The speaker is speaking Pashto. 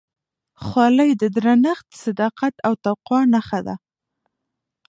خولۍ د درنښت، صداقت او تقوا نښه ده.